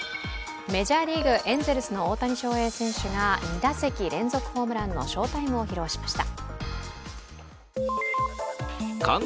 メジャーリーグエンゼルスの大谷翔平選手が２打席連続ホームランの翔タイムを披露しました。